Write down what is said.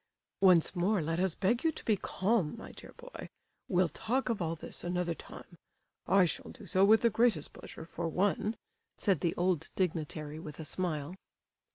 "Once more let us beg you to be calm, my dear boy. We'll talk of all this another time—I shall do so with the greatest pleasure, for one," said the old dignitary, with a smile.